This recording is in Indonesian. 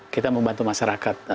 kita membantu masyarakat